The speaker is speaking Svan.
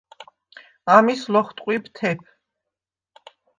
ამის ლოხტყვიბ თეფ.